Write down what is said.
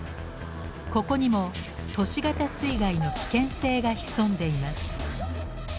ここにも都市型水害の危険性が潜んでいます。